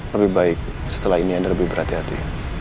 lebih baik setelah ini anda lebih berhati hati